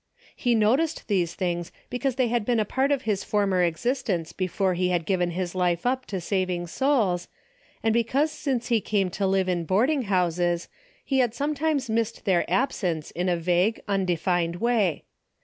He noticed these things because they had been a part of his former existence before he had given his life up to saving souls, and because since he came to live in boarding houses, he had sometimes missed their absence in a vague, undefined way.